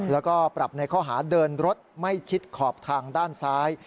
แล้วก็ปรับในข้อหาเดินรถไม่ชิดขอบทางด้านซ้าย